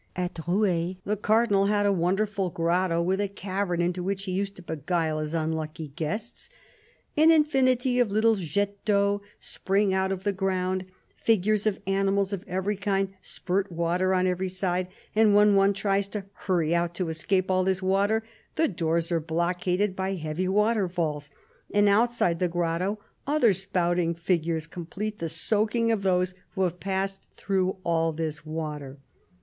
At Rueil the Cardinal had a wonderful grotto with a cavern into which he used to beguile his unlucky guests. " An infinity of little jets d'eau spring out of the ground ; figures of animals, of every kind, spurt water on every side ; and when one tries to hurry out to escape all this water, the doors are blockaded by heavy water falls; and outside the grotto other spouting figures com plete the soaking of those who have passed through all this water."